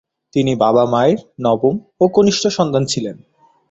তিনি তার বাবা-মায়ের নবম ও কনিষ্ঠ সন্তান ছিলেন।